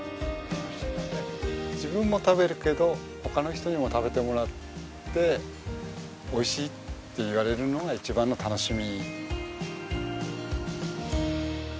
自分も食べるけど他の人にも食べてもらって美味しいって言われるのが一番の楽しみ。